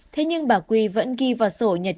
thế nhưng bà quý vẫn ghi vào sổ nhật